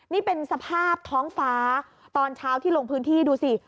นี่เป็นสภาพท้องฟ้าตอนเช้าที่ลงพื้นที่ดูสิ